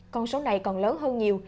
con số này còn lớn hơn nhiều